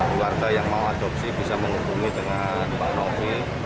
diwarta yang mau adopsi bisa menghubungi dengan pak novi